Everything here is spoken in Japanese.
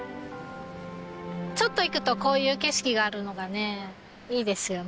ちょっと行くとこういう景色があるのがねいいですよね